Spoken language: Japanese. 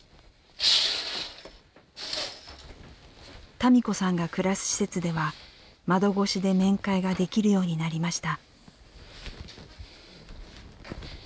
多美子さんが暮らす施設では窓越しで面会ができるようになりました。